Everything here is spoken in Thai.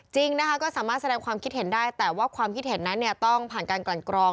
จริงนะคะก็สามารถแสดงความคิดเห็นได้แต่ว่าความคิดเห็นนั้นต้องผ่านการกลั่นกรอง